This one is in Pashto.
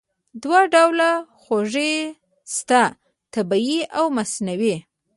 دوه ډوله خوږې شته: طبیعي او مصنوعي.